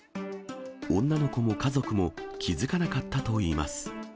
女の子も家族も、気付かなかったといいます。